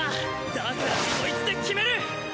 だからこいつで決める！！